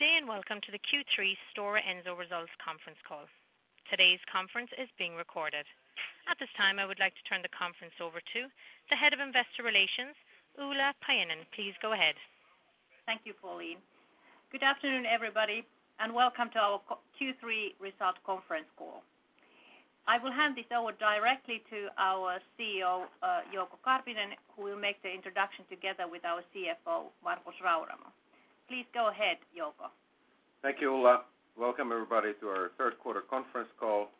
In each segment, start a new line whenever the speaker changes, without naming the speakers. Good day and welcome to the Q3 Stora Enso Results Conference Call. Today's conference is being recorded. At this time, I would like to turn the conference over to the Head of Investor Relations, Ulla Paajanen. Please go ahead.
Thank you, Pauline. Good afternoon, everybody, and welcome to our Q3 Results Conference Call. I will hand this over directly to our CEO, Jouko Karvinen, who will make the introduction together with our CFO, Markus Rauramo. Please go ahead, Jouko.
Thank you, Ulla. Welcome, everybody, to our third-quarter conference call.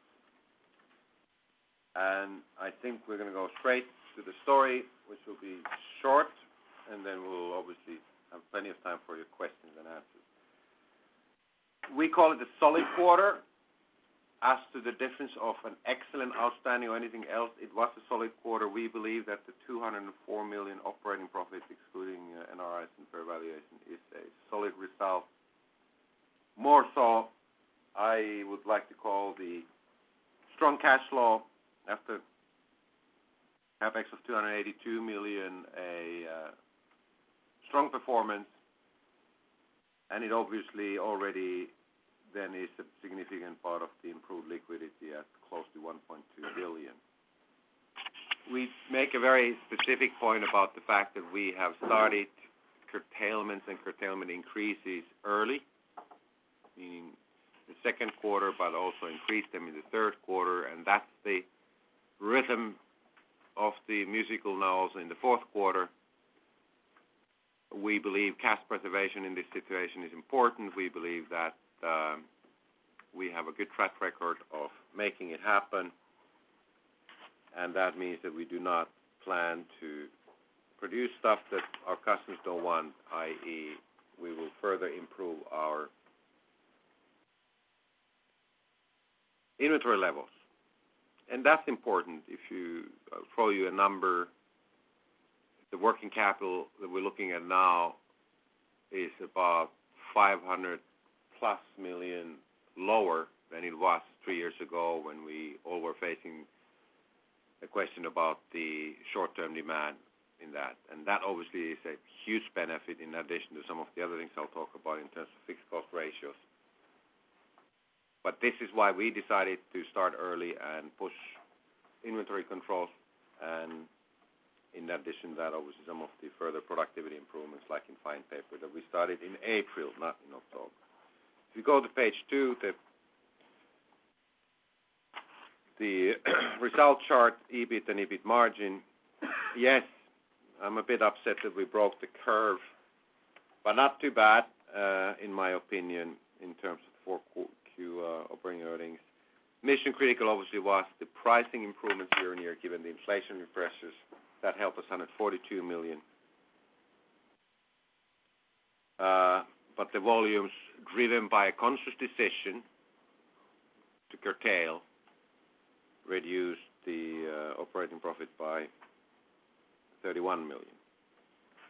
I think we're going to go straight to the story, which will be short, and then we'll obviously have plenty of time for your questions and answers. We call it a solid quarter. As to the difference of an excellent, outstanding, or anything else, it was a solid quarter. We believe that the 204 million operating profit, excluding NOIs and fair valuation, is a solid result. More so, I would like to call the strong cash flow after a CapEx of 282 million a strong performance. It obviously already then is a significant part of the improved liquidity at close to 1.2 billion. We make a very specific point about the fact that we have started curtailments and curtailment increases early in the second quarter, but also increased them in the third quarter. That's the rhythm of the musical now also in the fourth quarter. We believe cash preservation in this situation is important. We believe that we have a good track record of making it happen. That means that we do not plan to produce stuff that our customers don't want, i.e., we will further improve our inventory levels. That's important. I'll throw you a number. The working capital that we're looking at now is about 500+ million lower than it was three years ago when we all were facing a question about the short-term demand in that. That obviously is a huge benefit in addition to some of the other things I'll talk about in terms of fixed cost ratios. This is why we decided to start early and push inventory controls. In addition to that, obviously, some of the further productivity improvements, like in fine paper, that we started in April, not in October. If you go to page two, the result chart, EBIT and EBIT margin, yes, I'm a bit upset that we broke the curve, but not too bad, in my opinion, in terms of Q operating earnings. Mission-critical, obviously, was the pricing improvements year on year, given the inflationary pressures that helped us EUR 142 million. The volumes driven by a conscious decision to curtail reduced the operating profit by 31 million.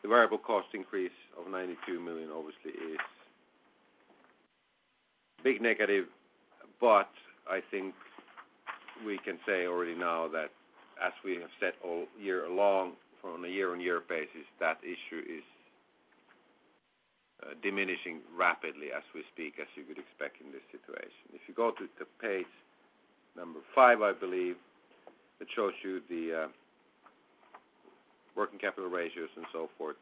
The variable cost increase of 92 million, obviously, is a big negative. I think we can say already now that as we have said all year along, from a year-on-year basis, that issue is diminishing rapidly as we speak, as you could expect in this situation. If you go to the page number five, I believe, it shows you the working capital ratios and so forth.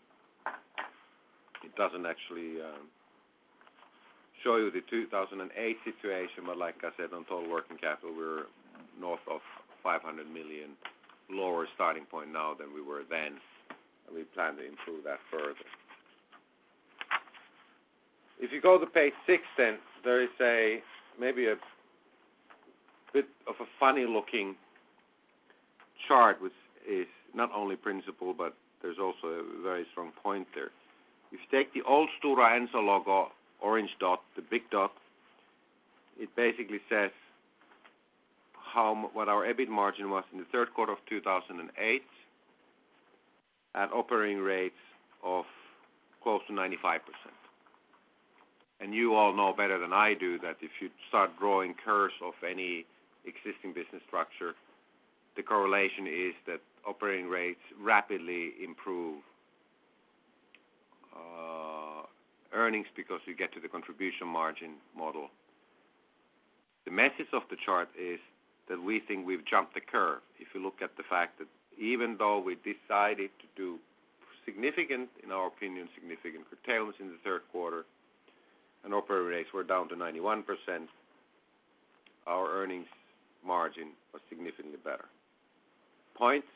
It doesn't actually show you the 2008 situation, but like I said, on total working capital, we're north of 500 million lower starting point now than we were then. We plan to improve that further. If you go to page six, there is maybe a bit of a funny-looking chart, which is not only principal, but there's also a very strong point there. If you take the old Stora Enso logo, orange dot, the big dot, it basically says what our EBIT margin was in the third quarter of 2008 at operating rates of close to 95%. You all know better than I do that if you start drawing curves of any existing business structure, the correlation is that operating rates rapidly improve earnings because you get to the contribution margin model. The message of the chart is that we think we've jumped the curve. If you look at the fact that even though we decided to do significant, in our opinion, significant curtailments in the third quarter and operating rates were down to 91%, our earnings margin was significantly better. Points.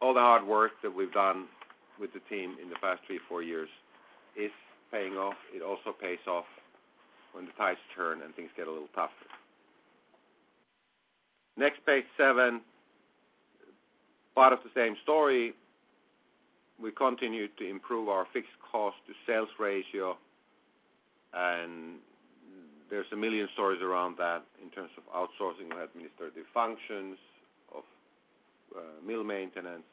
All the hard work that we've done with the team in the past three, four years is paying off. It also pays off when the tides turn and things get a little tougher. Next, page seven, part of the same story. We continue to improve our fixed cost-to-sales ratio. There's a million stories around that in terms of outsourcing or administrative functions of mill maintenance.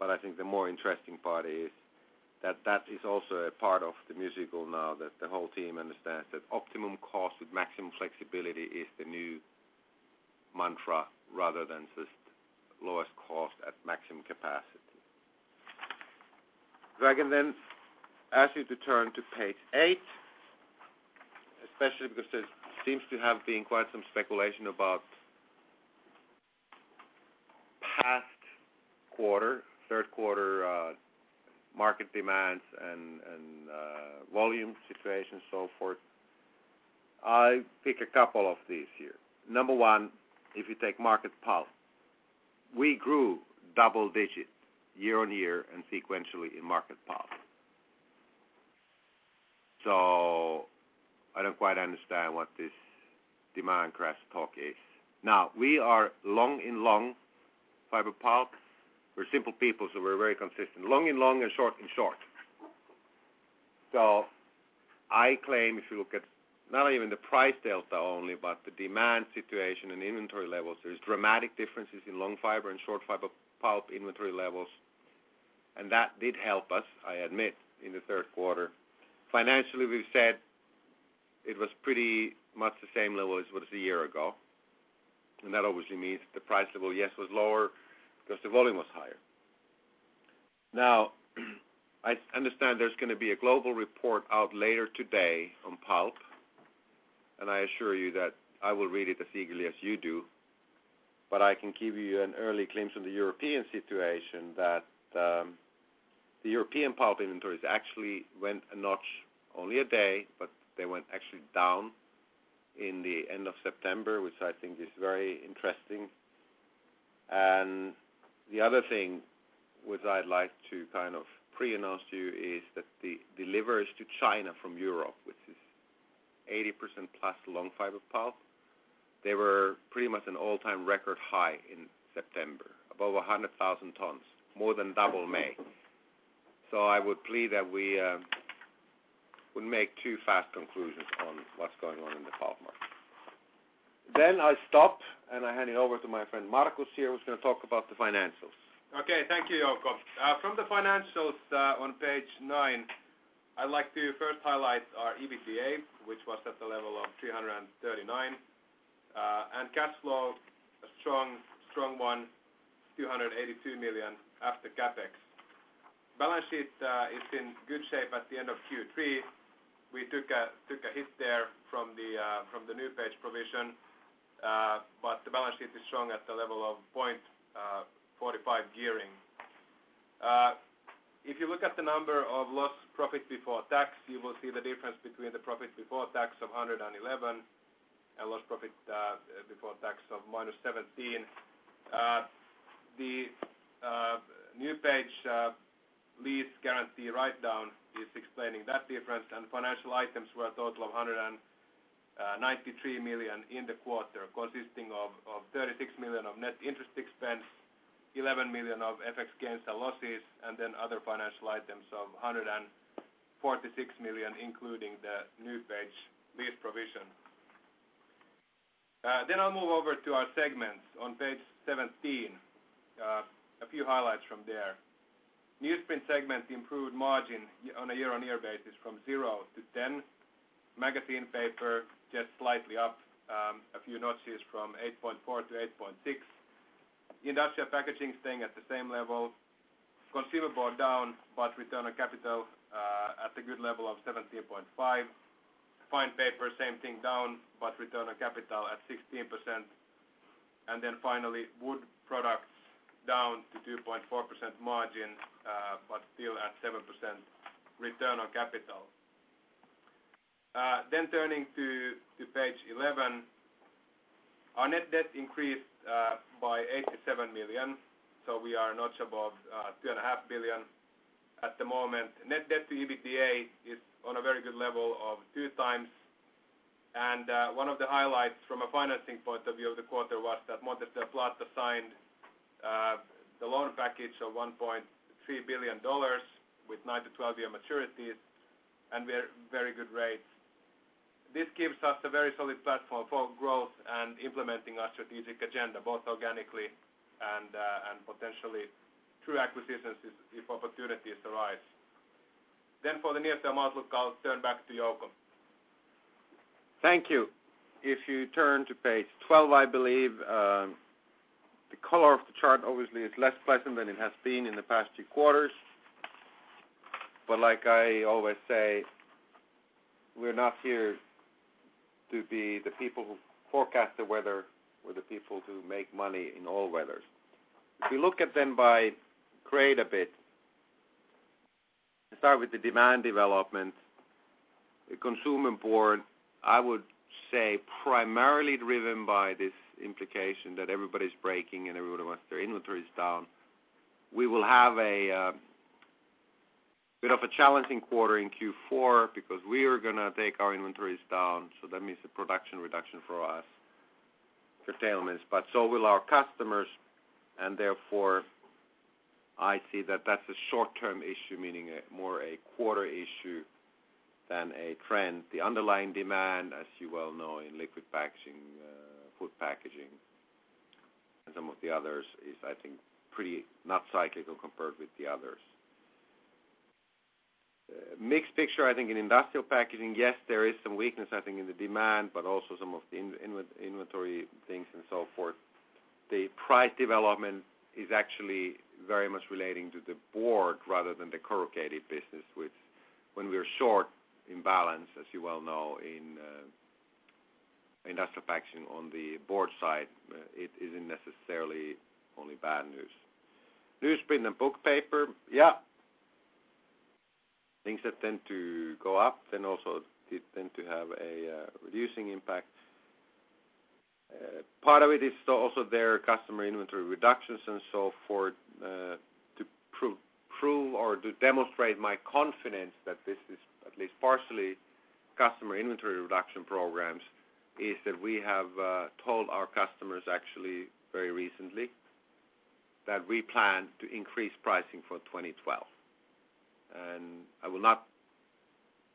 I think the more interesting part is that that is also a part of the musical now that the whole team understands that optimum cost with maximum flexibility is the new mantra rather than just lowest cost at maximum capacity. If I can then ask you to turn to page eight, especially because there seems to have been quite some speculation about past quarter, third quarter market demands and volume situations, so forth. I pick a couple of these here. Number one, if you take market pulp, we grew double-digit year on year and sequentially in market pulp. I don't quite understand what this demand-crash talk is. Now, we are long and long fiber pulp. We're simple people, so we're very consistent, long and long and short and short. I claim, if you look at not even the price delta only, but the demand situation and inventory levels, there's dramatic differences in long fiber and short fiber pulp inventory levels. That did help us, I admit, in the third quarter. Financially, we've said it was pretty much the same level as it was a year ago. That obviously means that the price level, yes, was lower because the volume was higher. I understand there's going to be a global report out later today on pulp, and I assure you that I will read it as eagerly as you do. I can give you an early glimpse on the European situation that the European pulp inventories actually went a notch only a day, but they went actually down in the end of September, which I think is very interesting. The other thing which I'd like to kind of pre-announce to you is that the deliveries to China from Europe, which is 80%+ long fiber pulp, they were pretty much an all-time record high in September, above 100,000 tons, more than double May. I would plead that we wouldn't make too fast conclusions on what's going on in the pulp market. I stop, and I hand it over to my friend Markus here, who's going to talk about the financials.
Okay. Thank you, Jouko. From the financials on page nine, I'd like to first highlight our EBITDA, which was at the level of 339, and cash flow, a strong, strong one, 282 million after CapEx. The balance sheet is in good shape at the end of Q3. We took a hit there from the NewPage provision, but the balance sheet is strong at the level of 0.45 gearing. If you look at the number of lost profits before tax, you will see the difference between the profits before tax of 111 and lost profit before tax of-17. The NewPage lease guarantee write-down is explaining that difference. Financial items were a total of 193 million in the quarter, consisting of 36 million of net interest expense, 11 million of FX gains and losses, and then other financial items of 146 million, including the NewPage lease provision. I'll move over to our segments on page 17. A few highlights from there. Newsprint segment improved margin on a year-on-year basis from zero to 10. Magazine paper just slightly up a few notches from 8.4 to 8.6. Industrial packaging staying at the same level. Consumer board down, but return on capital at a good level of 17.5%. Fine paper, same thing down, but return on capital at 16%. Finally, wood products down to 2.4% margin, but still at 7% return on capital. Turning to page 11, our net debt increased by 87 million. We are a notch above 2.5 billion at the moment. Net debt to EBITDA is on a very good level of 2x. One of the highlights from a financing point of view of the quarter was that Montes del Plata signed the loan package of $1.3 billion with 9-12 year maturities and very good rates. This gives us a very solid platform for growth and implementing our strategic agenda, both organically and potentially through acquisitions if opportunities arise. For the near-term outlook, I'll turn back to Jouko.
Thank you. If you turn to page 12, I believe, the color of the chart obviously is less pleasant than it has been in the past two quarters. Like I always say, we're not here to be the people who forecast the weather. We're the people who make money in all weathers. If we look at then by trade a bit and start with the demand development, the consumer board, I would say primarily driven by this implication that everybody's braking and everybody wants their inventories down. We will have a bit of a challenging quarter in Q4 because we are going to take our inventories down. That means a production reduction for us, curtailments, but so will our customers. Therefore, I'd see that that's a short-term issue, meaning more a quarter issue than a trend. The underlying demand, as you well know, in liquid packaging, food packaging, and some of the others is, I think, pretty not cyclical compared with the others. Mixed picture, I think, in industrial packaging. Yes, there is some weakness, I think, in the demand, but also some of the inventory things and so forth. The price development is actually very much relating to the board rather than the corrugated business, which, when we're short in balance, as you well know, in industrial packaging on the board side, it isn't necessarily only bad news. Newsprint and book paper, yeah, things that tend to go up and also tend to have a reducing impact. Part of it is also their customer inventory reductions and so forth. To prove or to demonstrate my confidence that this is at least partially customer inventory reduction programs is that we have told our customers actually very recently that we plan to increase pricing for 2012. I will not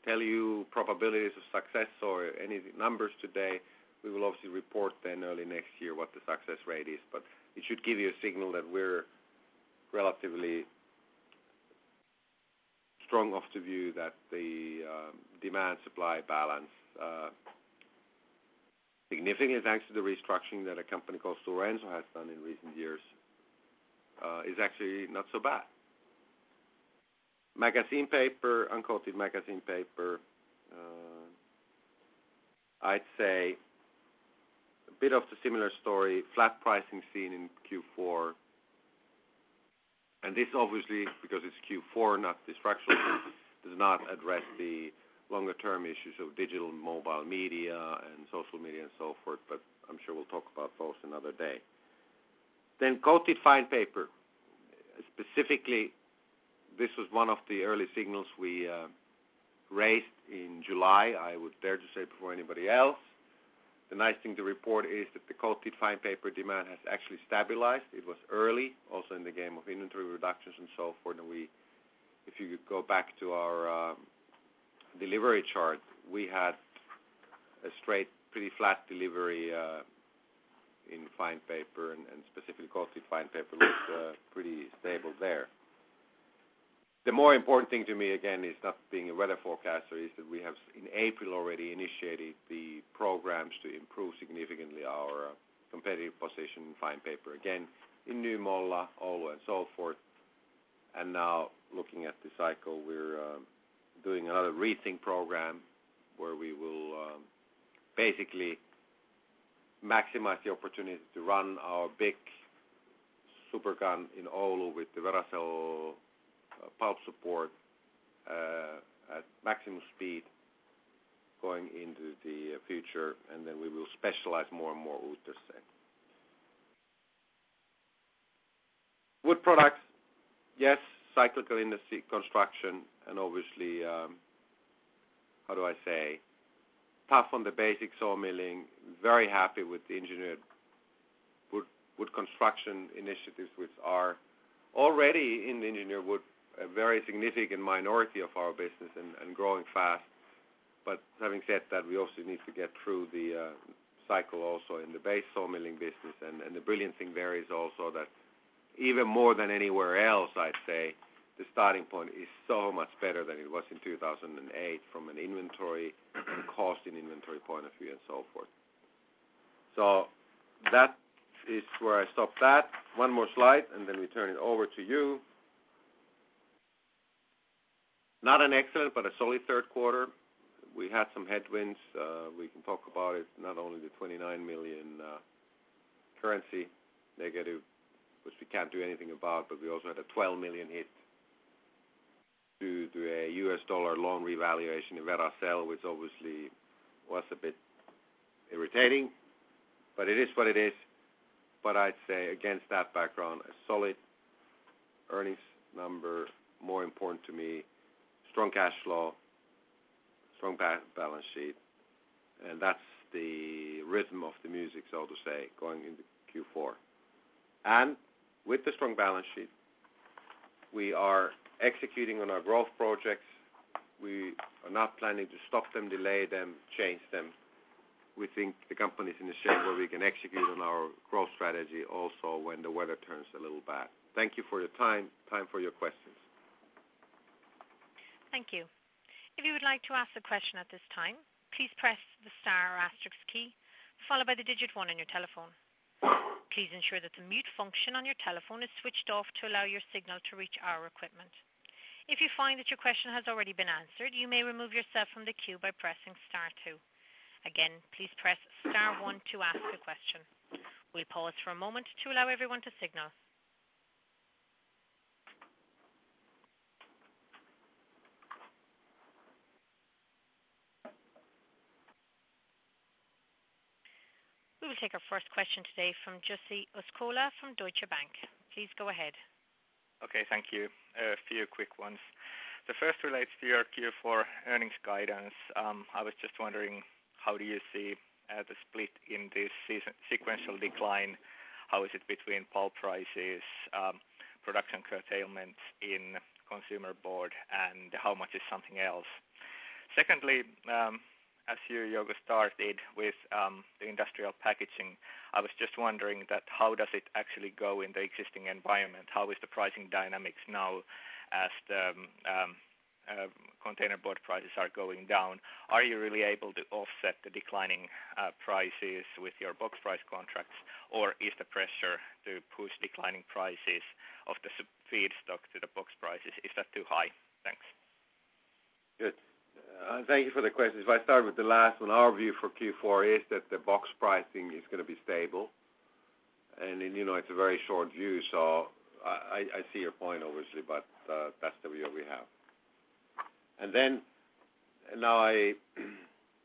tell you probabilities of success or any numbers today. We will obviously report then early next year what the success rate is, but it should give you a signal that we're relatively strong off the view that the demand-supply balance, significant thanks to the restructuring that a company called [Suzano] has done in recent years, is actually not so bad. Magazine paper, uncoated magazine paper, I'd say a bit of the similar story, flat pricing seen in Q4. This obviously, because it's Q4, not this fractional group, does not address the longer-term issues of digital and mobile media and social media and so forth, but I'm sure we'll talk about those another day. Quoted fine paper, specifically, this was one of the early signals we raised in July, I would dare to say, before anybody else. The nice thing to report is that the quoted fine paper demand has actually stabilized. It was early, also in the game of inventory reductions and so forth. If you could go back to our delivery chart, we had a straight, pretty flat delivery in fine paper and specifically quoted fine paper was pretty stable there. The more important thing to me, again, is not being a weather forecaster, is that we have in April already initiated the programs to improve significantly our competitive position in fine paper, again, in Nymölla, Oulu, and so forth. Now looking at the cycle, we're doing another rethink program where we will basically maximize the opportunity to run our big super gun in Oulu with the Veracel pulp support at maximum speed going into the future. We will specialize more and more woods then. Wood products, yes, cyclical industry, construction, and obviously, how do I say, tough on the basics, sawmilling. I am very happy with the engineered wood construction initiatives, which are already in the engineered wood, a very significant minority of our business and growing fast. Having said that, we also need to get through the cycle also in the base sawmilling business. The brilliant thing there is also that even more than anywhere else, I'd say, the starting point is so much better than it was in 2008 from an inventory and cost in inventory point of view and so forth. That is where I stop that. One more slide, and then we turn it over to you. Not an excellent, but a solid third quarter. We had some headwinds. We can talk about it, not only the 29 million currency negative, which we can't do anything about, but we also had a 12 million hit due to a U.S. dollar long revaluation in Veracel, which obviously was a bit irritating. It is what it is. I'd say against that background, a solid earnings number, more important to me, strong cash flow, strong balance sheet. That's the rhythm of the music, so to say, going into Q4. With the strong balance sheet, we are executing on our growth projects. We are not planning to stop them, delay them, change them. We think the company is in a shape where we can execute on our growth strategy also when the weather turns a little bad. Thank you for your time. Time for your questions.
Thank you. If you would like to ask a question at this time, please press the star asterisk key followed by the digit one on your telephone. Please ensure that the mute function on your telephone is switched off to allow your signal to reach our equipment. If you find that your question has already been answered, you may remove yourself from the queue by pressing star two. Again, please press star one to ask a question. We'll pause for a moment to allow everyone to signal. We will take our first question today from [Jesse Oscola] from Deutsche Bank. Please go ahead. Okay. Thank you. A few quick ones. The first relates to your Q4 earnings guidance. I was just wondering, how do you see the split in this sequential decline? How is it between pulp prices, production curtailments in consumer board, and how much is something else? Secondly, as you started with the industrial packaging, I was just wondering how does it actually go in the existing environment? How is the pricing dynamics now as the containerboard prices are going down? Are you really able to offset the declining prices with your box price contracts, or is the pressure to push declining prices of the feedstock to the box prices, is that too high? Thanks.
Good. Thank you for the question. If I start with the last one, our view for Q4 is that the box pricing is going to be stable. You know it's a very short view, so I see your point, obviously, but that's the view we have.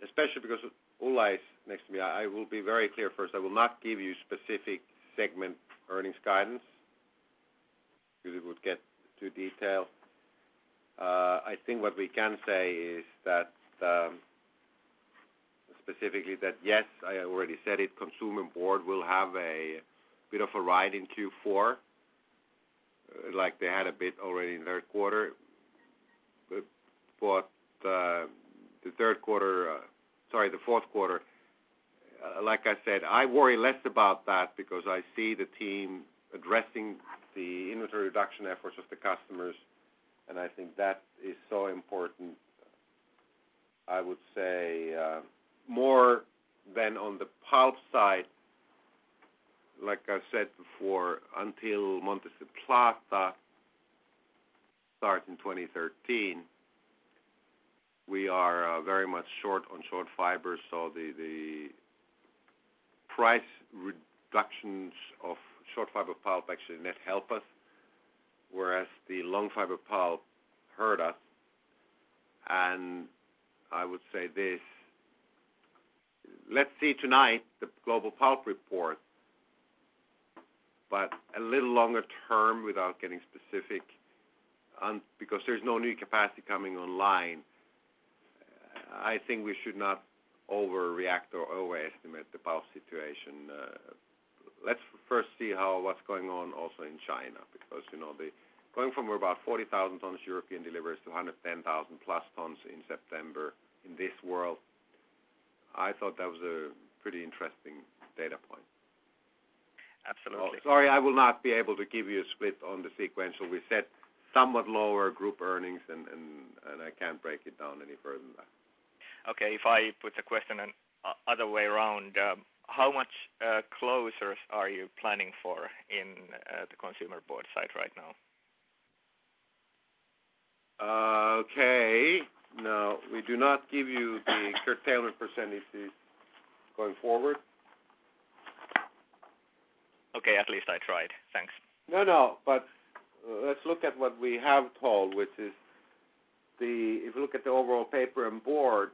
Especially because Ulla is next to me, I will be very clear first. I will not give you specific segment earnings guidance because it would get too detailed. I think what we can say is that, yes, I already said it, consumer board will have a bit of a ride in Q4 like they had a bit already in the third quarter. The fourth quarter, like I said, I worry less about that because I see the team addressing the inventory reduction efforts of the customers. I think that is so important. I would say more than on the pulp side, like I've said before, until Montes del Plata starts in 2013, we are very much short on short fiber. The price reductions of short fiber pulp actually net help us, whereas the long fiber pulp hurt us. I would say this, let's see tonight the global pulp report, but a little longer term without getting specific because there's no new capacity coming online. I think we should not overreact or overestimate the pulp situation. Let's first see how what's going on also in China because you know the going from about 40,000 tons European deliveries to 110,000+ tons in September in this world, I thought that was a pretty interesting data point. Absolutely. Sorry, I will not be able to give you a split on the sequential. We said somewhat lower group earnings, and I can't break it down any further than that. Okay. If I put the question another way around, how much closures are you planning for in the consumer board side right now? Okay. No, we do not give you the curtailment percentages going forward. Okay, at least I tried. Thanks. No, no. Let's look at what we have told, which is if you look at the overall paper and board,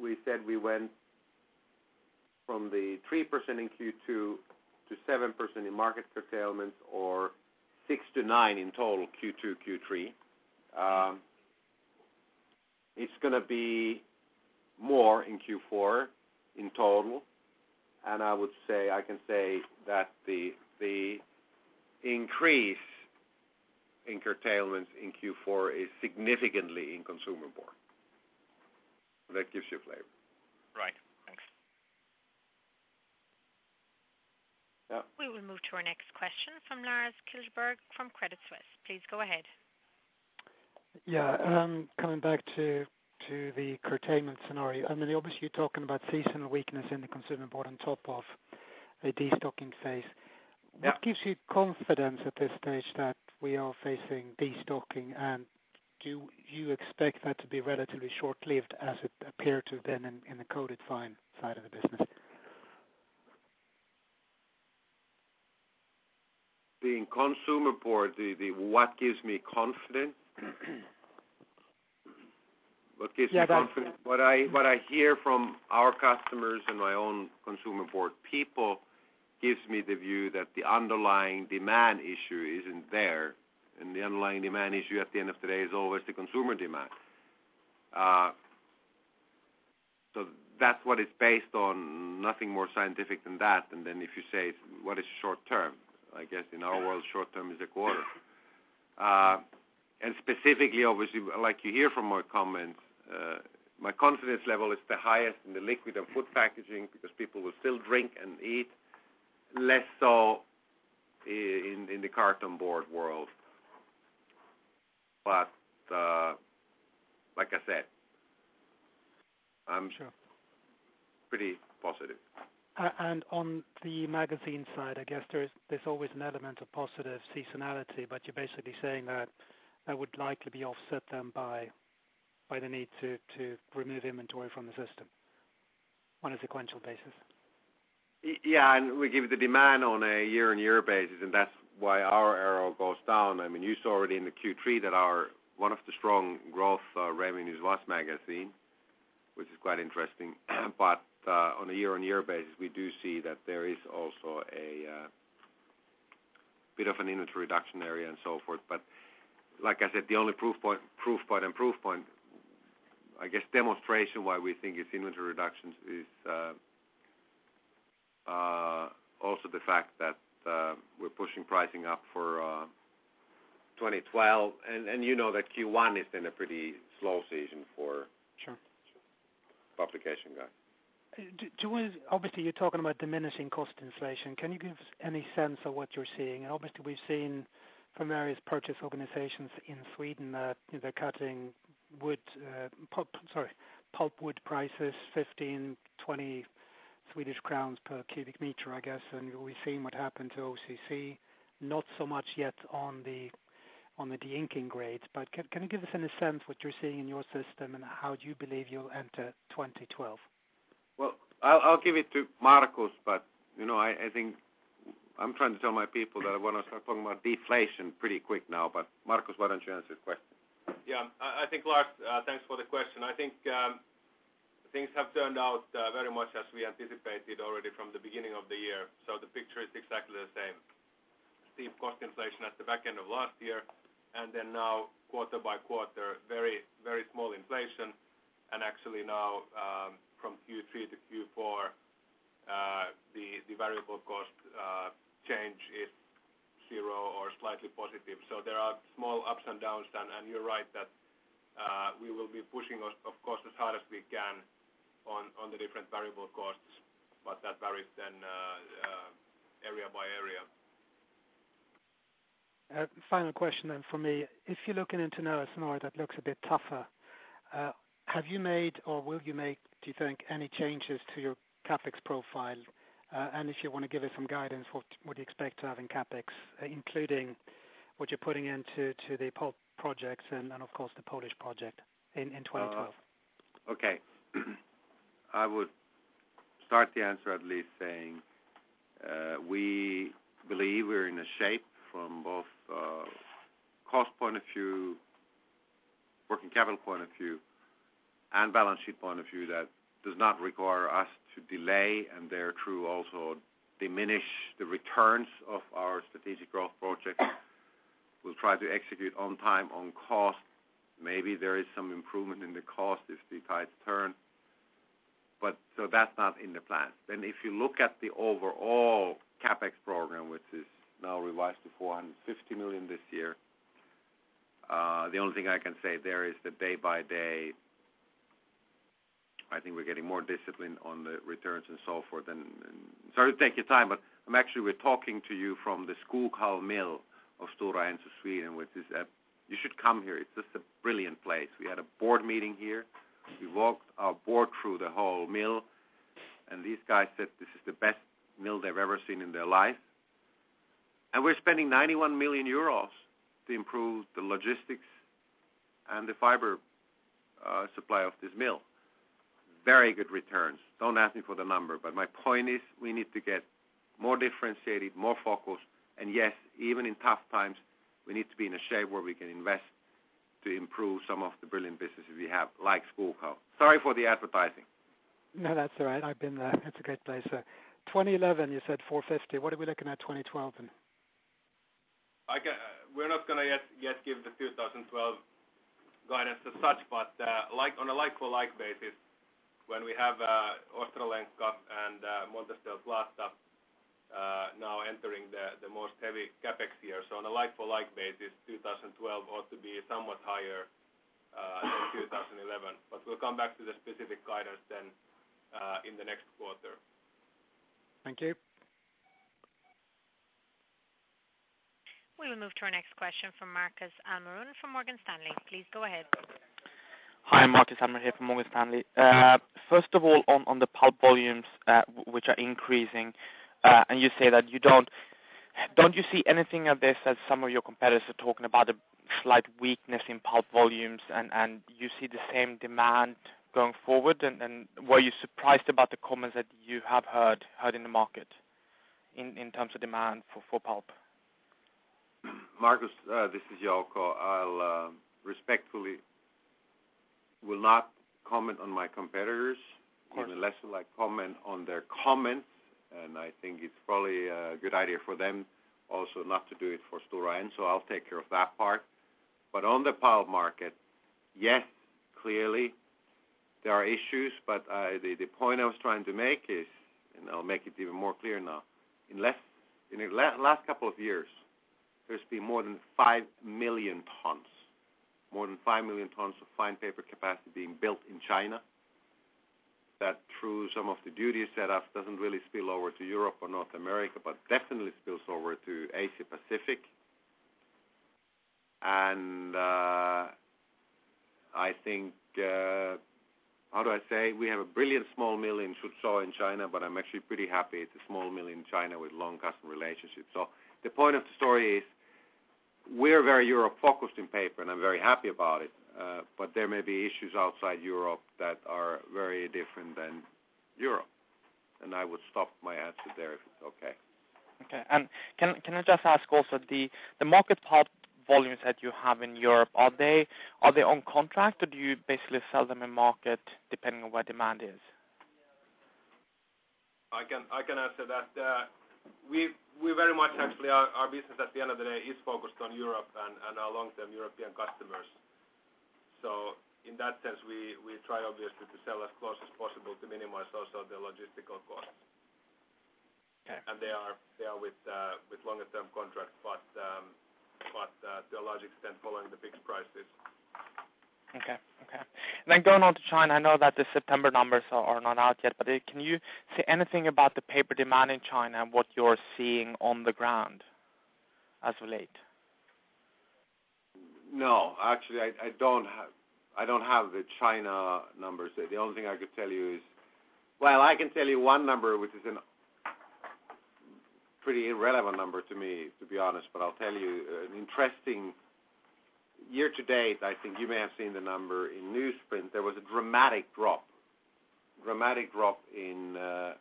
we said we went from the 3% in Q2 to 7% in market curtailments or 6%-9% in total Q2 and Q3. It's going to be more in Q4 in total. I would say I can say that the increase in curtailments in Q4 is significantly in consumer board. That gives you a flavor. Right. Thanks.
We will move to our next question from Lars Kjellberg from Credit Suisse. Please go ahead.
Yeah. Coming back to the curtailment scenario, I mean, obviously, you're talking about seasonal weakness in the consumer board on top of a destocking phase. What gives you confidence at this stage that we are facing destocking? Do you expect that to be relatively short-lived as it appeared to have been in the coated fine side of the business?
Being consumer board, what gives me confidence? What gives me confidence? What I hear from our customers and my own consumer board people gives me the view that the underlying demand issue isn't there. The underlying demand issue at the end of the day is always the consumer demand. That's what it's based on, nothing more scientific than that. If you say, what is short term? I guess in our world, short term is a quarter. Specifically, obviously, like you hear from my comments, my confidence level is the highest in the liquid and food packaging because people will still drink and eat, less so in the carton board world. Like I said, I'm pretty positive.
On the magazine side, there's always an element of positive seasonality, but you're basically saying that would likely be offset by the need to remove inventory from the system on a sequential basis.
Yeah. We give the demand on a year-on-year basis, and that's why our arrow goes down. You saw already in Q3 that one of the strong growth revenues was magazine, which is quite interesting. On a year-on-year basis, we do see that there is also a bit of an inventory reduction area and so forth. Like I said, the only proof point and proof point, I guess, demonstration why we think it's inventory reductions is also the fact that we're pushing pricing up for 2012. You know that Q1 has been a pretty slow season for publication guys.
Obviously, you're talking about diminishing cost inflation. Can you give any sense of what you're seeing? We've seen from various purchase organizations in Sweden that they're cutting pulpwood prices, 15, 20 Swedish crowns per cubic meter, I guess. We've seen what happened to OCC, not so much yet on the de-inking grades. Can you give us any sense of what you're seeing in your system and how do you believe you'll enter 2012?
I will give it to Markus, but I think I'm trying to tell my people that I want to start talking about deflation pretty quick now. Markus, why don't you answer the question?
Yeah. I think Lars, thanks for the question. I think things have turned out very much as we anticipated already from the beginning of the year. The picture is exactly the same. Steep cost inflation at the back end of last year, and now quarter by quarter, very, very small inflation. Actually, now from Q3 to Q4, the variable cost change is zero or slightly positive. There are small ups and downs. You're right that we will be pushing, of course, as hard as we can on the different variable costs, but that varies then area by area.
Final question then for me. If you're looking into now a scenario that looks a bit tougher, have you made or will you make, do you think, any changes to your CapEx profile? If you want to give us some guidance, what do you expect to have in CapEx, including what you're putting into the pulp projects and, of course, the Polish project in 2012?
Okay. I would start the answer at least saying we believe we're in a shape from both cost point of view, working capital point of view, and balance sheet point of view that does not require us to delay, and there are true also diminish the returns of our strategic growth project. We'll try to execute on time, on cost. Maybe there is some improvement in the cost if the tide turns. That's not in the plan. If you look at the overall CapEx program, which is now revised to 450 million this year, the only thing I can say there is that day by day, I think we're getting more disciplined on the returns and so forth. Sorry to take your time, but I'm actually talking to you from the Skoghall Mill of Stora Enso, Sweden, which is at you should come here. It's just a brilliant place. We had a board meeting here. We walked our board through the whole mill. These guys said this is the best mill they've ever seen in their life. We're spending 91 million euros to improve the logistics and the fiber supply of this mill. Very good returns. Don't ask me for the number, but my point is we need to get more differentiated, more focused. Yes, even in tough times, we need to be in a shape where we can invest to improve some of the brilliant businesses we have like Skoghall. Sorry for the advertising.
No, that's all right. I've been there. It's a great place. In 2011, you said 450 million. What are we looking at in 2012 then?
We're not going to yet give the 2012 guidance as such, but like on a like-for-like basis, when we have Ostroleka and Montes del Plata now entering the most heavy CapEx year, on a like-for-like basis, 2012 ought to be somewhat higher than 2011. We'll come back to the specific guidance then in the next quarter.
Thank you.
We will move to our next question from [Markus Ammorun] from Morgan Stanley. Please go ahead. Hi, Markus. I am here from Morgan Stanley. First of all, on the pulp volumes, which are increasing, you say that you don't see anything of this as some of your competitors are talking about a slight weakness in pulp volumes. You see the same demand going forward? Were you surprised about the comments that you have heard in the market in terms of demand for pulp?
Markus, this is Jouko. I'll respectfully not comment on my competitors unless you like comment on their comments. I think it's probably a good idea for them also not to do it for Stora Enso. I'll take care of that part. On the pulp market, yes, clearly, there are issues. The point I was trying to make is, and I'll make it even more clear now, in the last couple of years, there's been more than 5 million tons, more than 5 million tons of fine paper capacity being built in China that through some of the duty setups doesn't really spill over to Europe or North America, but definitely spills over to Asia-Pacific. I think, how do I say, we have a brilliant small mill in Suzhou in China, but I'm actually pretty happy at the small mill in China with long customer relationships. The point of the story is we're very Europe-focused in paper, and I'm very happy about it. There may be issues outside Europe that are very different than Europe. I would stop my answer there if it's okay. Okay. Can I just ask also, the market pulp volumes that you have in Europe, are they on contract, or do you basically sell them in market depending on where demand is?
I can answer that. We very much actually, our business at the end of the day is focused on Europe and our long-term European customers. In that sense, we try obviously to sell as close as possible to minimize also the logistical costs. They are with longer-term contracts, but to a large extent following the fixed prices. Okay. Okay. Going on to China, I know that the September numbers are not out yet, but can you say anything about the paper demand in China and what you're seeing on the ground as of late?
No. Actually, I don't have the China numbers. The only thing I could tell you is, I can tell you one number, which is a pretty irrelevant number to me, to be honest. I'll tell you an interesting year to date, I think you may have seen the number in newsprint. There was a dramatic drop, dramatic drop in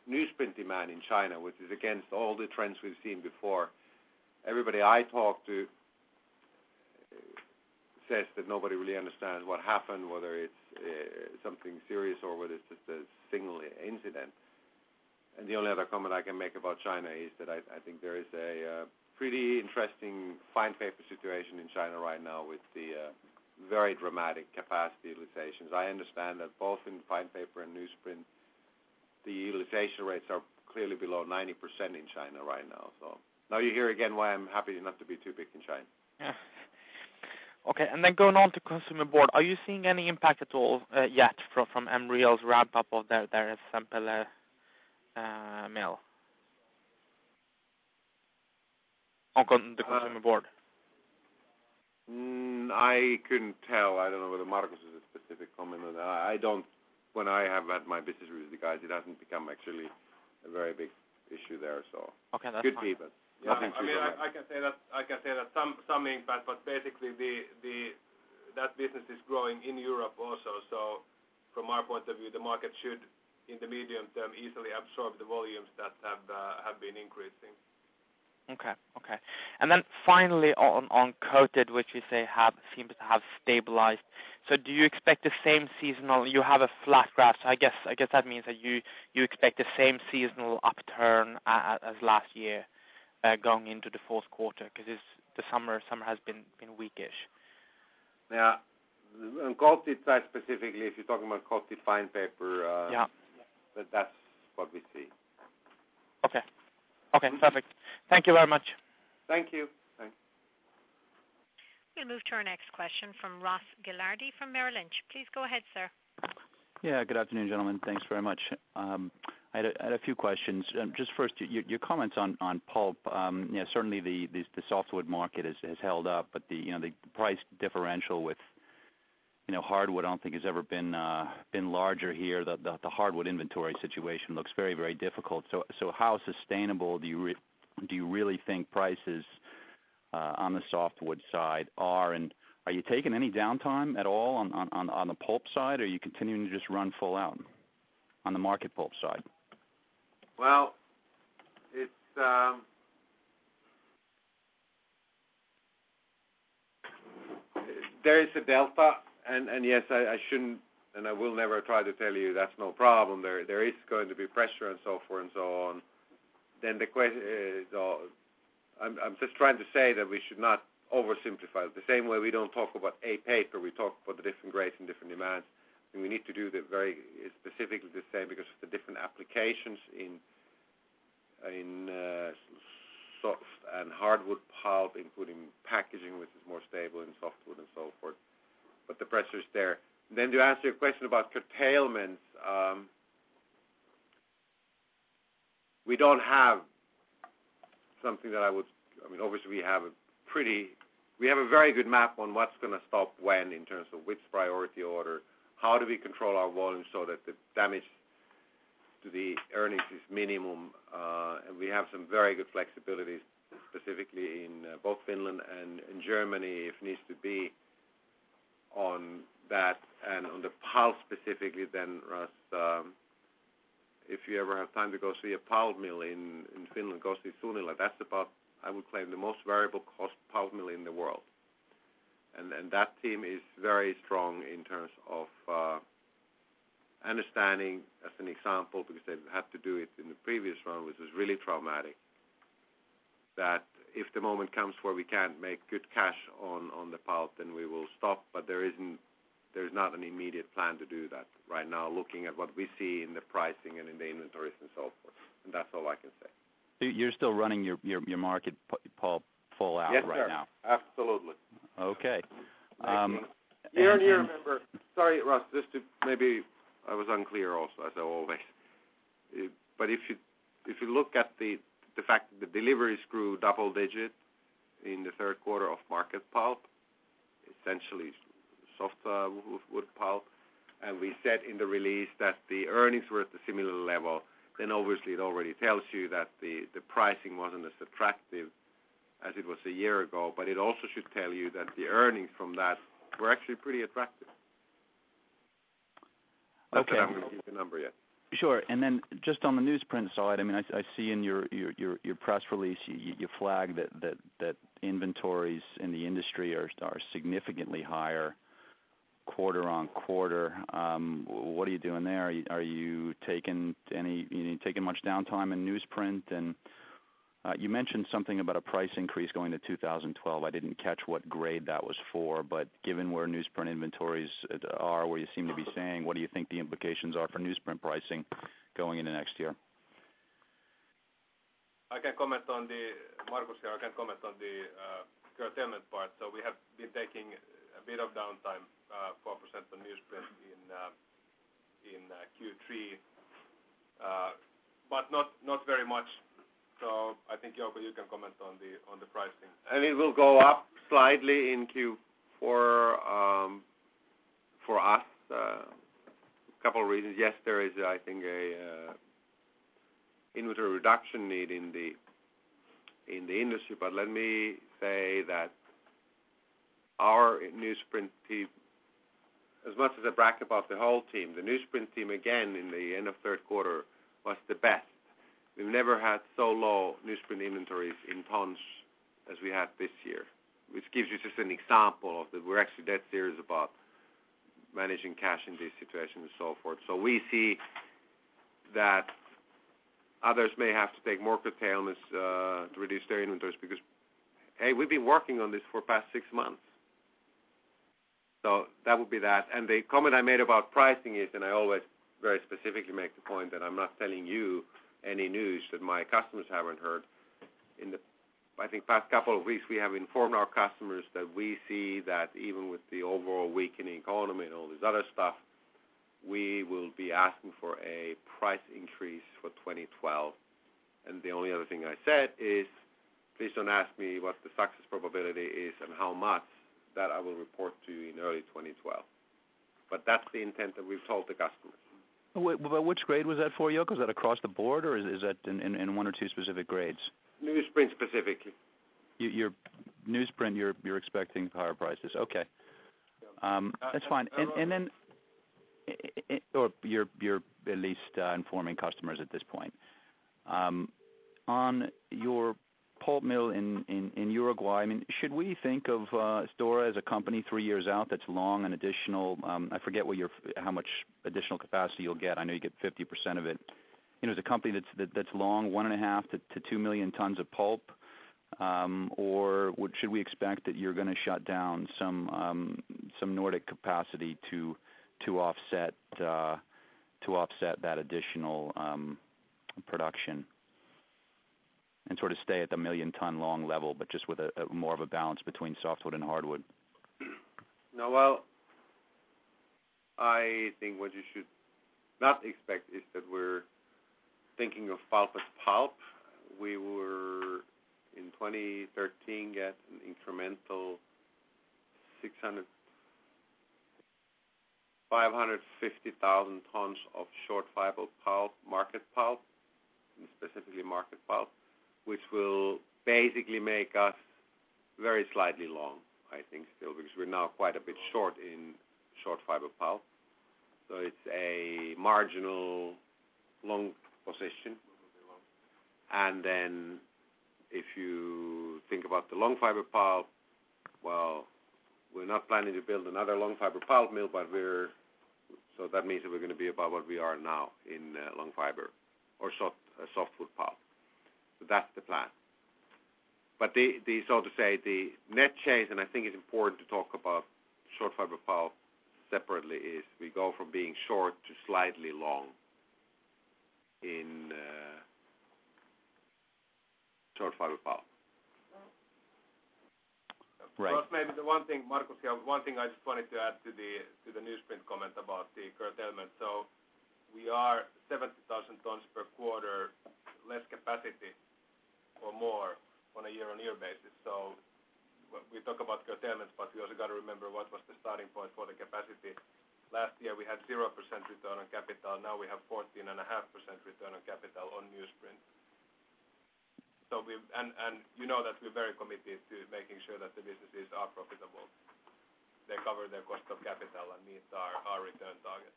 newsprint demand in China, which is against all the trends we've seen before. Everybody I talked to says that nobody really understands what happened, whether it's something serious or whether it's just a single incident. The only other comment I can make about China is that I think there is a pretty interesting fine paper situation in China right now with the very dramatic capacity utilization. I understand that both in fine paper and newsprint, the utilization rates are clearly below 90% in China right now. You hear again why I'm happy not to be too big in China. Okay. Going on to consumer board, are you seeing any impact at all yet from Embryo's ramp-up of their sample mill on the consumer board? I couldn't tell. I don't know whether Markus has a specific comment on that. I don't. When I have had my business with the guys, it hasn't become actually a very big issue there. Okay, that's good. Good feedback. Nothing too.
I can say that some impact, but basically, that business is growing in Europe also. From our point of view, the market should, in the medium term, easily absorb the volumes that have been increasing. Okay. And then finally, on coated, which you say seems to have stabilized, do you expect the same seasonal, you have a flat graph. I guess that means that you expect the same seasonal upturn as last year going into the fourth quarter because the summer has been weakish.
Yeah. On coated side specifically, if you're talking about coated fine paper, yeah, that's what we see. Okay. Okay. Perfect. Thank you very much.
Thank you. Thanks.
We're going to move to our next question from Ross Gilardi from Merrill Lynch. Please go ahead, sir.
Good afternoon, gentlemen. Thanks very much. I had a few questions. First, your comments on pulp. Certainly, the softwood market has held up, but the price differential with hardwood, I don't think, has ever been larger here. The hardwood inventory situation looks very, very difficult. How sustainable do you really think prices on the softwood side are? Are you taking any downtime at all on the pulp side, or are you continuing to just run full out on the market pulp side?
There is a delta. I shouldn't, and I will never try to tell you that's no problem. There is going to be pressure and so forth and so on. The question is, I'm just trying to say that we should not oversimplify. The same way we don't talk about A paper, we talk about the different grades and different demands. We need to do that very specifically the same because of the different applications in softwood and hardwood pulp, including packaging, which is more stable in softwood and so forth. The pressure is there. To answer your question about curtailments, we don't have something that I would, I mean, obviously, we have a very good map on what's going to stop when in terms of which priority order. How do we control our volume so that the damage to the earnings is minimum? We have some very good flexibilities specifically in both Finland and Germany if needs to be on that. On the pulp specifically, Ross, if you ever have time to go see a pulp mill in Finland, go see Sunila. That's about, I would claim, the most variable cost pulp mill in the world. That team is very strong in terms of understanding, as an example, because they had to do it in the previous round, which was really traumatic, that if the moment comes where we can't make good cash on the pulp, then we will stop. There is not an immediate plan to do that right now, looking at what we see in the pricing and in the inventories and so forth. That's all I can say.
You're still running your market pulp full out right now?
Yes. Absolutely.
Okay.
You remember, sorry, Ross, just to maybe. I was unclear also, as I always. If you look at the fact that the deliveries grew double-digit in the third quarter of market pulp, essentially softwood pulp, and we said in the release that the earnings were at a similar level, it already tells you that the pricing wasn't as attractive as it was a year ago. It also should tell you that the earnings from that were actually pretty attractive. Okay, I'm going to give the number yet.
Sure. On the newsprint side, I see in your press release you flag that inventories in the industry are significantly higher quarter on quarter. What are you doing there? Are you taking much downtime in newsprint? You mentioned something about a price increase going to 2012. I didn't catch what grade that was for, but given where newsprint inventories are, where you seem to be staying, what do you think the implications are for newsprint pricing going into next year?
I can comment on that, Markus here. I can comment on the curtailment part. We have been taking a bit of downtime, 4% on newsprint in Q3, but not very much. I think, Jouko, you can comment on the pricing.
I mean, it will go up slightly in Q4 for us, a couple of reasons. Yes, there is, I think, an inventory reduction need in the industry. Let me say that our newsprint team, as much as I brag about the whole team, the newsprint team, again, in the end of third quarter was the best. We've never had so low newsprint inventories in tons as we had this year, which gives you just an example of that we're actually dead serious about managing cash in this situation and so forth. We see that others may have to take more curtailments to reduce their inventories because, hey, we've been working on this for the past six months. That would be that. The comment I made about pricing is, and I always very specifically make the point that I'm not telling you any news that my customers haven't heard. In the, I think, past couple of weeks, we have informed our customers that we see that even with the overall weakening economy and all this other stuff, we will be asking for a price increase for 2012. The only other thing I said is, please don't ask me what the success probability is and how much, that I will report to you in early 2012. That's the intent that we've told the customers.
Which grade was that for, Jouko? Is that across the board or is that in one or two specific grades?
Newsprint specifically.
Your newsprint, you're expecting higher prices. Okay.
Yep.
That's fine. You're at least informing customers at this point. On your pulp mill in Uruguay, should we think of Stora as a company three years out that's long and additional? I forget how much additional capacity you'll get. I know you get 50% of it. As a company that's long, 1.5 million-2 million tons of pulp, or should we expect that you're going to shut down some Nordic capacity to offset that additional production and sort of stay at the million-ton long level, but just with more of a balance between softwood and hardwood?
No, I think what you should not expect is that we're thinking of pulp as pulp. In 2013, we were at an incremental 550,000 tons of short fiber pulp, market pulp, and specifically market pulp, which will basically make us very slightly long, I think, still, because we're now quite a bit short in short fiber pulp. It's a marginal long position. If you think about the long fiber pulp, we're not planning to build another long fiber pulp mill, so that means that we're going to be about what we are now in long fiber or softwood pulp. That's the plan. The net chase, and I think it's important to talk about short fiber pulp separately, is we go from being short to slightly long in short fiber pulp.
Right. That's maybe the one thing, Markus here, one thing I just wanted to add to the newsprint comment about the curtailment. We are 70,000 tons per quarter less capacity or more on a year-on-year basis. We talk about curtailments, but we also got to remember what was the starting point for the capacity. Last year, we had 0% return on capital. Now we have 14.5% return on capital on newsprint. You know that we're very committed to making sure that the businesses are profitable. They cover their cost of capital and meet our return target.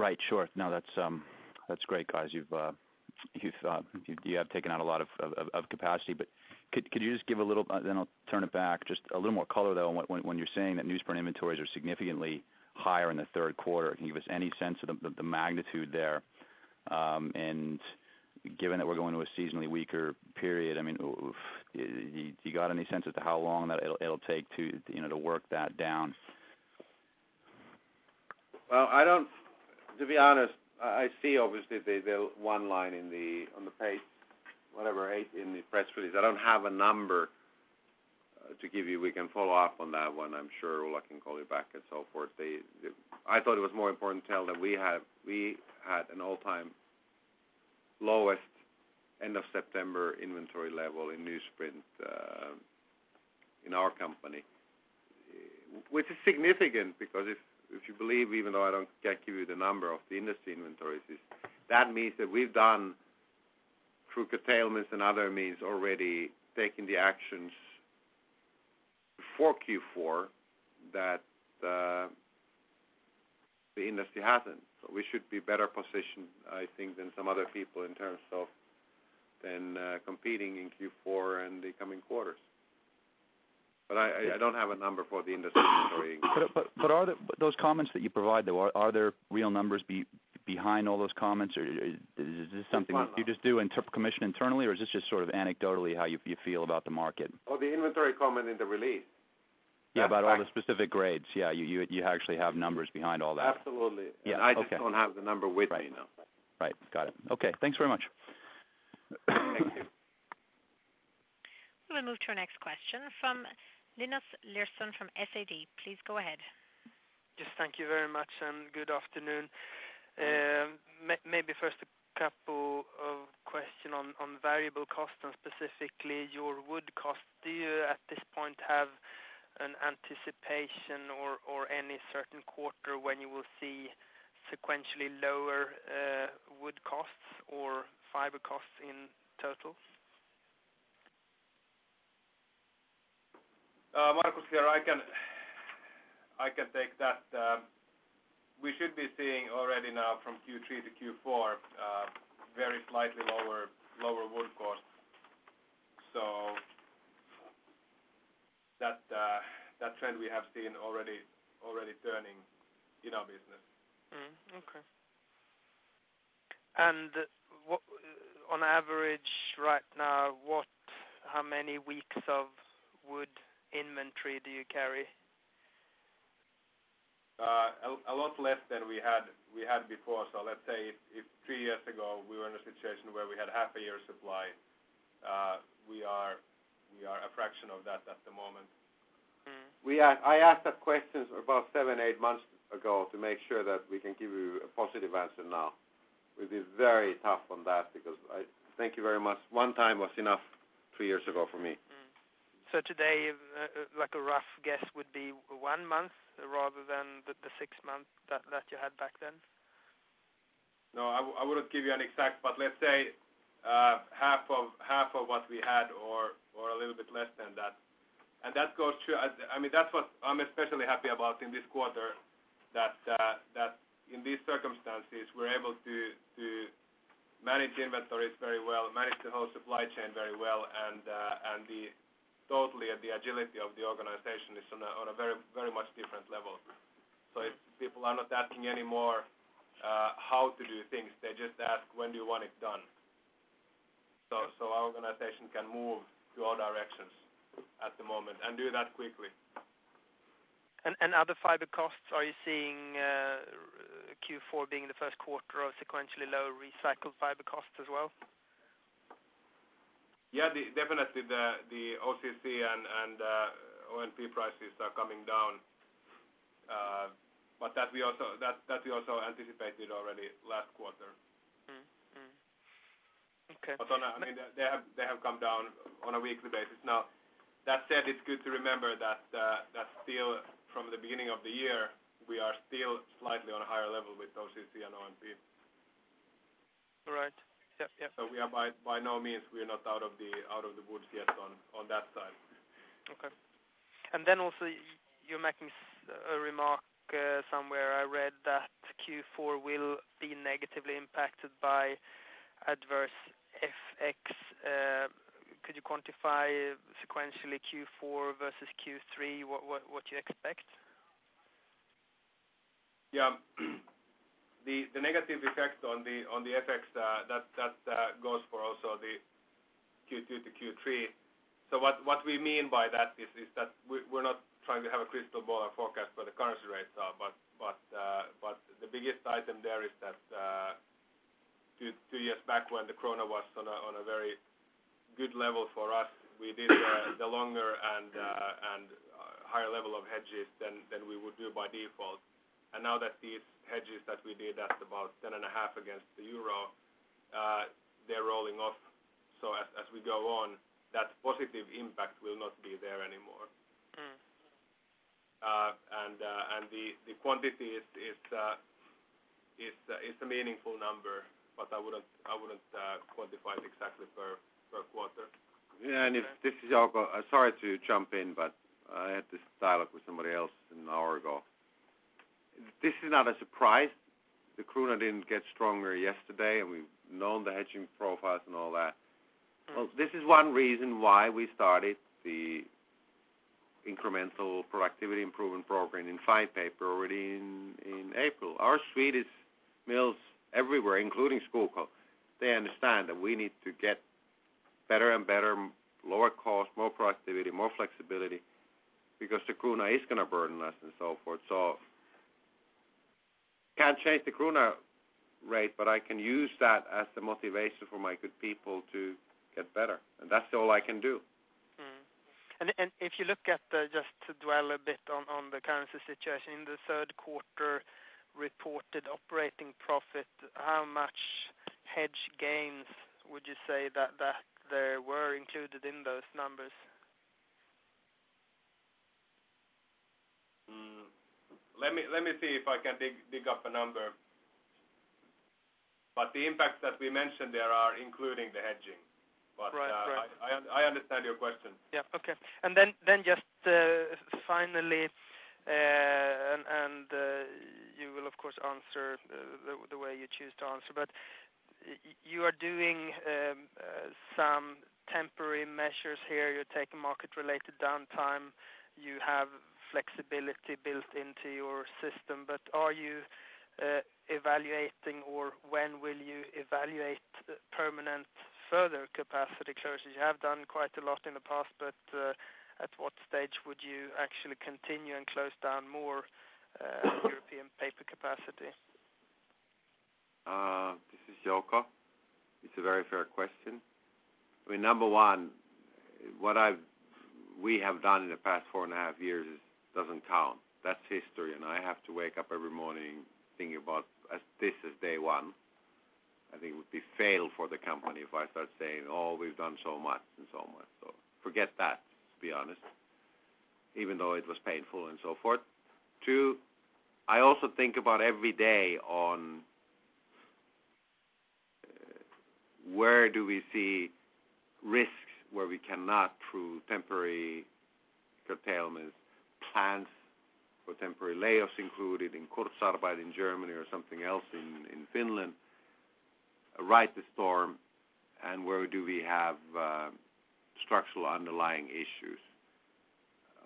Right. Sure. No, that's great, guys. You've taken out a lot of capacity, but could you just give a little, just a little more color though, when you're saying that newsprint inventories are significantly higher in the third quarter? Can you give us any sense of the magnitude there? Given that we're going to a seasonally weaker period, do you have any sense as to how long it'll take to work that down?
I don't, to be honest, I see obviously the one line on the page, whatever, eight in the press release. I don't have a number to give you. We can follow up on that one. I'm sure Ulla can call you back and so forth. I thought it was more important to tell that we had an all-time lowest end of September inventory level in newsprint in our company, which is significant because if you believe, even though I don't get to give you the number of the industry inventories, that means that we've done through curtailments and other means already taking the actions for Q4 that the industry hasn't. We should be better positioned, I think, than some other people in terms of competing in Q4 and the coming quarters. I don't have a number for the industry inventory.
Are those comments that you provide, though, are there real numbers behind all those comments? Is this something you just do commission internally, or is this just sort of anecdotally how you feel about the market?
Oh, the inventory comment in the release?
Yeah, about all the specific grades, you actually have numbers behind all that.
Absolutely. I just don't have the number with me now.
Right. Got it. Okay, thanks very much.
Thank you.
We're going to move to our next question from Linus Larsson from SEB. Please go ahead.
Thank you very much and good afternoon. Maybe first a couple of questions on variable costs and specifically your wood cost. Do you at this point have an anticipation or any certain quarter when you will see sequentially lower wood costs or fiber costs in total?
Markus here, I can take that. We should be seeing already now from Q3 to Q4 very slightly lower wood costs. That trend we have seen already turning in our business.
Okay. On average right now, how many weeks of wood inventory do you carry?
A lot less than we had before. If three years ago we were in a situation where we had half a year supply, we are a fraction of that at the moment. I asked that question about seven, eight months ago to make sure that we can give you a positive answer now. We've been very tough on that because I thank you very much. One time was enough three years ago for me.
Today, like a rough guess would be one month rather than the six months that you had back then?
No, I wouldn't give you an exact, but let's say half of what we had or a little bit less than that. That goes to, I mean, that's what I'm especially happy about in this quarter, that in these circumstances, we're able to manage inventories very well, manage the whole supply chain very well, and totally the agility of the organization is on a very, very much different level. If people are not asking anymore how to do things, they just ask, "When do you want it done?" Our organization can move to all directions at the moment and do that quickly.
Are the fiber costs, are you seeing Q4 being the first quarter of sequentially low recycled fiber costs as well?
Yeah, definitely. The OCC and ONP prices are coming down. That we also anticipated already last quarter. They have come down on a weekly basis. That said, it's good to remember that still from the beginning of the year, we are still slightly on a higher level with OCC and ONP.
Right. Yep, yep.
We are by no means, we're not out of the woods yet on that side.
Okay. You're making a remark somewhere. I read that Q4 will be negatively impacted by adverse FX. Could you quantify sequentially Q4 versus Q3, what you expect?
Yeah. The negative effect on the FX, that goes for also the Q2 to Q3. What we mean by that is that we're not trying to have a crystal ball or forecast where the currency rates are. The biggest item there is that two years back, when the krona was on a very good level for us, we did the longer and higher level of hedges than we would do by default. Now that these hedges that we did, that's about 10.5 against the euro, they're rolling off. As we go on, that positive impact will not be there anymore. The quantity is a meaningful number, but I wouldn't quantify it exactly per quarter.
Sorry to jump in, but I had this dialogue with somebody else an hour ago. This is not a surprise. The krona didn't get stronger yesterday, and we've known the hedging profiles and all that. This is one reason why we started the incremental productivity improvement program in fine paper already in April. Our Swedish mills everywhere, including Skoghall, they understand that we need to get better and better, lower cost, more productivity, more flexibility because the krona is going to burden us and so forth. I can't change the krona rate, but I can use that as the motivation for my good people to get better. That's all I can do.
If you look at just to dwell a bit on the currency situation, in the third quarter reported operating profit, how much hedge gains would you say that there were included in those numbers?
Let me see if I can dig up a number. The impacts that we mentioned there are including the hedging. I understand your question.
Okay. Finally, you will, of course, answer the way you choose to answer, but you are doing some temporary measures here. You're taking market-related downtime. You have flexibility built into your system. Are you evaluating, or when will you evaluate permanent further capacity closures? You have done quite a lot in the past. At what stage would you actually continue and close down more European paper capacity?
This is Jouko. It's a very fair question. Number one, what we have done in the past four and a half years doesn't count. That's history. I have to wake up every morning thinking about as this is day one. I think it would be fail for the company if I start saying, "Oh, we've done so much and so much." Forget that, to be honest, even though it was painful and so forth. Two, I also think about every day on where do we see risks where we cannot, through temporary curtailment plans or temporary layoffs included in Kurzarbeit in Germany or something else in Finland, ride the storm, and where do we have structural underlying issues.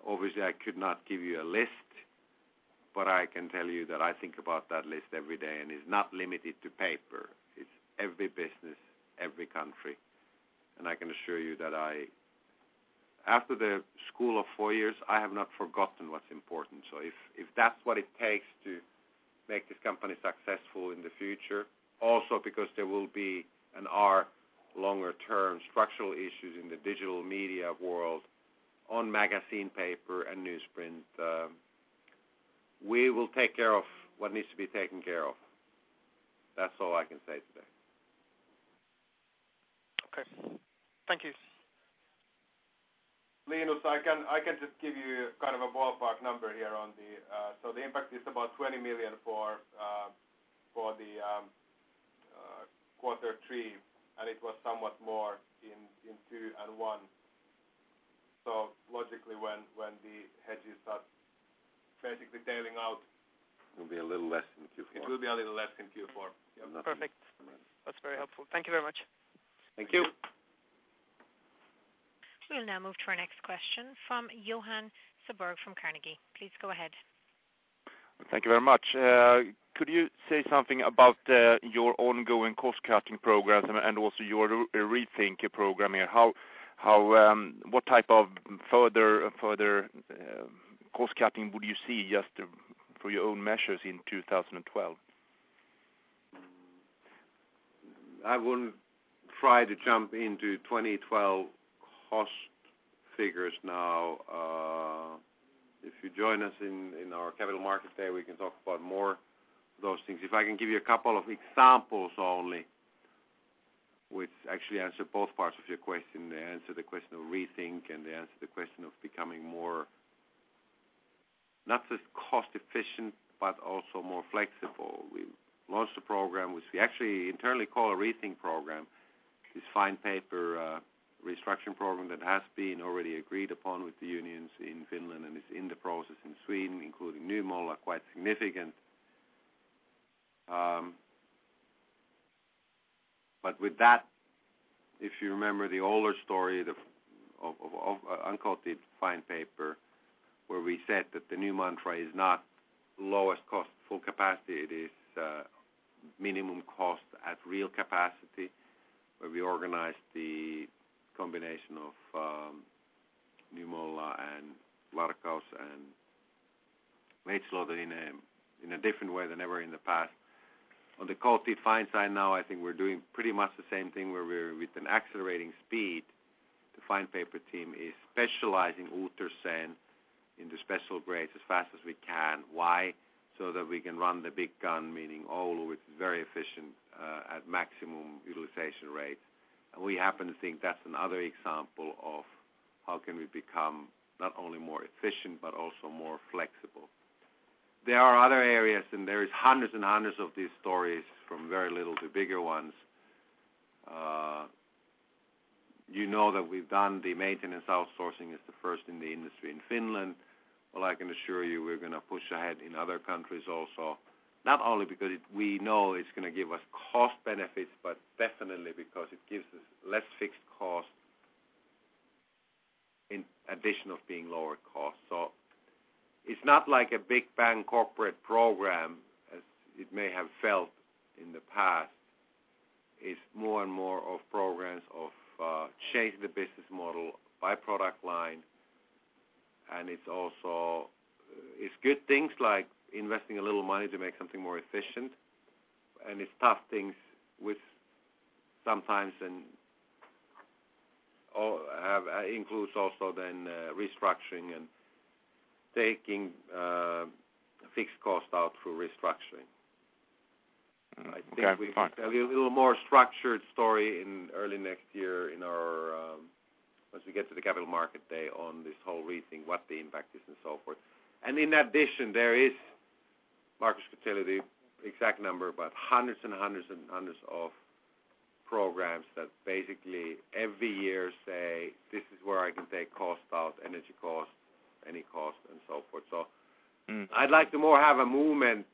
Obviously, I could not give you a list, but I can tell you that I think about that list every day. It's not limited to paper. It's every business, every country. I can assure you that I, after the [school of four years], have not forgotten what's important. If that's what it takes to make this company successful in the future, also because there will be and are longer-term structural issues in the digital media world on magazine paper and newsprint, we will take care of what needs to be taken care of. That's all I can say today.
Okay, thank you.
Linus, I can just give you kind of a ballpark number here on the impact. It is about 20 million for quarter three, and it was somewhat more in two and one. Logically, when the hedges start basically tailing out.
It will be a little less than Q4.
It will be a little less than Q4, yeah.
Perfect. That's very helpful. Thank you very much.
Thank you.
We'll now move to our next question from [Johan Seberg] from Carnegie. Please go ahead. Thank you very much. Could you say something about your ongoing cost-cutting programs and also your rethink program here? What type of further cost-cutting would you see just for your own measures in 2012?
I wouldn't try to jump into 2012 cost figures now. If you join us in our Capital Markets Day, we can talk about more of those things. If I can give you a couple of examples only, which actually answer both parts of your question. They answer the question of rethink, and they answer the question of becoming more not just cost-efficient, but also more flexible. We launched a program, which we actually internally call a rethink program. This fine paper restructuring program that has been already agreed upon with the unions in Finland and is in the process in Sweden, including New Mola, quite significant. With that, if you remember the older story of Uncoated Fine Paper, where we said that the new mantra is not lowest cost full capacity, it is minimum cost at real capacity, where we organized the combination of New Mola and Varkaus and Lidslåten in a different way than ever in the past. On the coated fine side now, I think we're doing pretty much the same thing, where we're with an accelerating speed. The fine paper team is specializing utter sand into special grades as fast as we can. Why? So that we can run the big gun, meaning OLU, very efficient at maximum utilization rate. We happen to think that's another example of how can we become not only more efficient, but also more flexible. There are other areas, and there are hundreds and hundreds of these stories from very little to bigger ones. You know that we've done the maintenance outsourcing as the first in the industry in Finland. I can assure you we're going to push ahead in other countries also, not only because we know it's going to give us cost benefits, but definitely because it gives us less fixed cost in addition of being lower cost. It's not like a big bang corporate program, as it may have felt in the past. It's more and more of programs of changing the business model by product line. It's also good things like investing a little money to make something more efficient. It's tough things with sometimes, and it includes also then restructuring and taking fixed costs out through restructuring. I think we'll have a little more structured story in early next year once we get to the Capital Markets Day on this whole rethink, what the impact is and so forth. In addition, there is, Markus could tell you the exact number, but hundreds and hundreds and hundreds of programs that basically every year say, "This is where I can take cost out, energy cost, any cost," and so forth. I'd like to more have a movement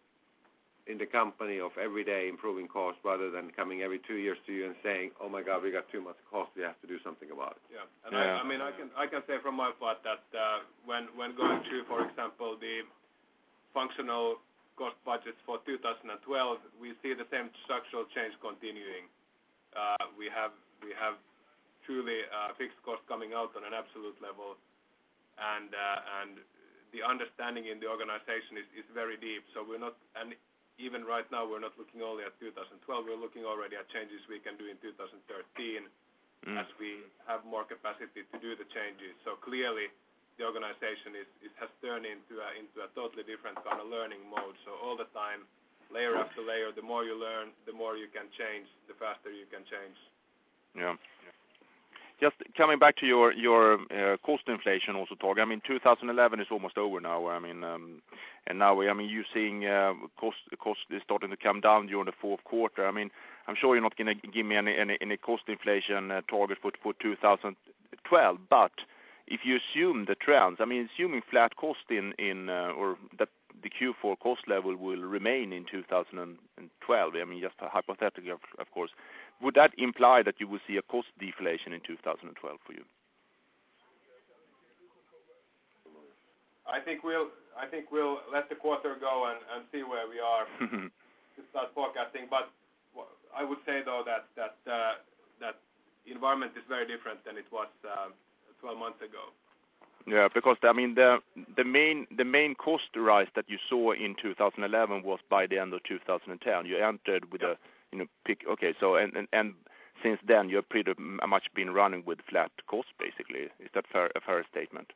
in the company of every day improving costs rather than coming every two years to you and saying, "Oh my God, we got too much cost. We have to do something about it."
Yeah. I can say from my part that when going through, for example, the functional cost budgets for 2012, we see the same structural change continuing. We have truly fixed costs coming out on an absolute level. The understanding in the organization is very deep. We're not, and even right now, we're not looking only at 2012. We're looking already at changes we can do in 2013 as we have more capacity to do the changes. Clearly, the organization has turned into a totally different kind of learning mode. All the time, layer after layer, the more you learn, the more you can change, the faster you can change. Yeah. Just coming back to your cost inflation also talk, I mean, 2011 is almost over now. I mean, you're seeing cost is starting to come down during the fourth quarter. I'm sure you're not going to give me any cost inflation targets for 2012, but if you assume the trends, I mean, assuming flat cost in or that the Q4 cost level will remain in 2012, I mean, just hypothetically, of course, would that imply that you will see a cost deflation in 2012 for you? I think we'll let the quarter go and see where we are to start forecasting. I would say, though, that the environment is very different than it was 12 months ago. Yeah, because I mean, the main cost rise that you saw in 2011 was by the end of 2010. You entered with a, you know, peak, okay, so since then, you've pretty much been running with flat costs, basically. Is that a fair statement?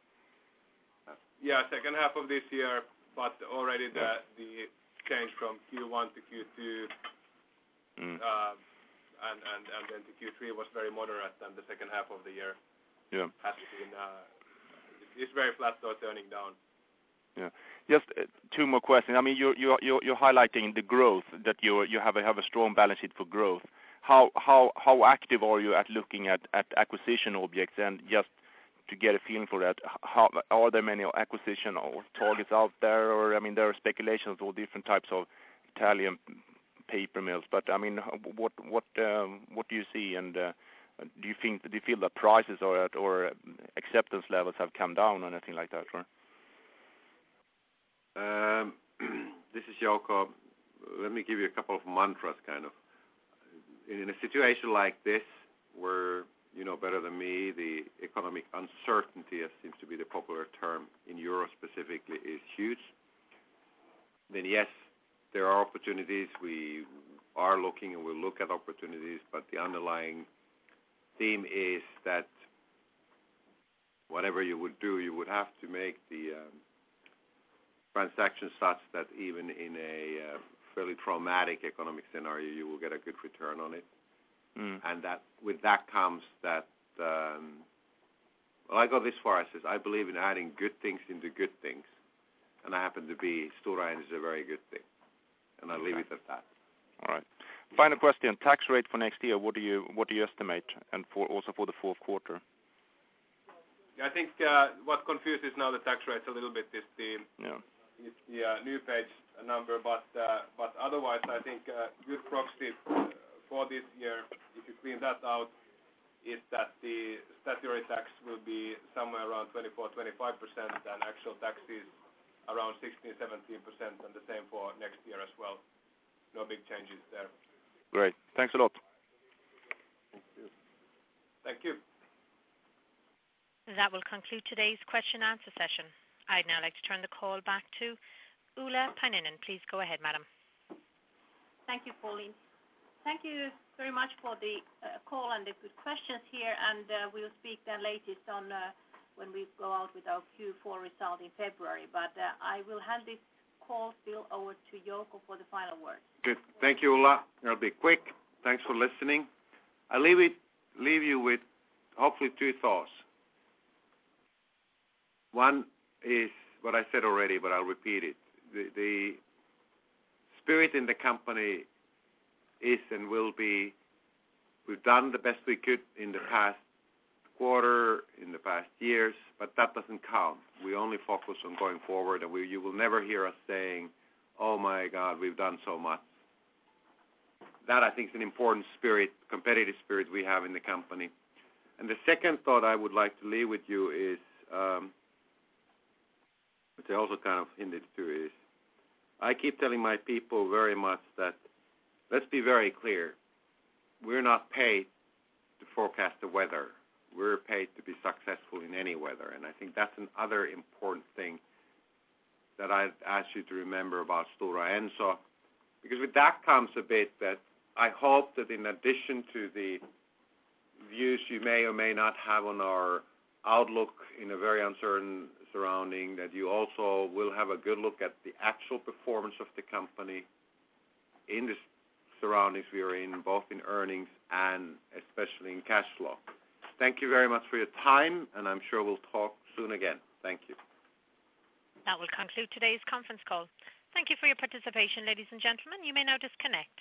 Second half of this year, but already the change from Q1 to Q2 and then to Q3 was very moderate. The second half of the year is very flat, so turning down. Yeah. Just two more questions. You're highlighting the growth that you have a strong balance sheet for growth. How active are you at looking at acquisition objects? Just to get a feeling for that, are there many acquisition targets out there? There are speculations of all different types of Italian paper mills. What do you see? Do you feel that prices or acceptance levels have come down or anything like that?
This is Jouko. Let me give you a couple of mantras. In a situation like this, where you know better than me, the economic uncertainty seems to be the popular term in Europe specifically, is huge. Yes, there are opportunities. We are looking and we'll look at opportunities, but the underlying theme is that whatever you would do, you would have to make the transactions such that even in a fairly traumatic economic scenario, you will get a good return on it. With that comes that, I go this far, I say, I believe in adding good things into good things. I happen to be, Stora Enso is a very good thing. I leave it at that. All right. Final question. Tax rate for next year, what do you estimate? Also for the fourth quarter?
Yeah, I think what confuses now the tax rates a little bit is the new page number. Otherwise, I think a good proxy for this year, if you clean that out, is that the statutory tax will be somewhere around 24%, 25%, and actual taxes around 16%, 17%, and the same for next year as well. No big changes there. Great, thanks a lot. Thank you.
Thank you.
That will conclude today's question and answer session. I'd now like to turn the call back to Ulla Paajanen. Please go ahead, madam.
Thank you, Pauline. Thank you very much for the call and the good questions here. We'll speak the latest when we go out with our Q4 result in February. I will hand this call still over to Jouko for the final word.
Good. Thank you, Ulla. That'll be quick. Thanks for listening. I'll leave you with hopefully two thoughts. One is what I said already, but I'll repeat it. The spirit in the company is and will be, we've done the best we could in the past quarter, in the past years, but that doesn't count. We only focus on going forward, and you will never hear us saying, "Oh my God, we've done so much." That I think is an important spirit, competitive spirit we have in the company. The second thought I would like to leave with you is, which I also kind of hinted to, I keep telling my people very much that let's be very clear. We're not paid to forecast the weather. We're paid to be successful in any weather. I think that's another important thing that I'd ask you to remember about Stora Enso because with that comes a bit that I hope that in addition to the views you may or may not have on our outlook in a very uncertain surrounding, you also will have a good look at the actual performance of the company in the surroundings we are in, both in earnings and especially in cash flow. Thank you very much for your time, and I'm sure we'll talk soon again. Thank you.
That will conclude today's conference call. Thank you for your participation, ladies and gentlemen. You may now disconnect.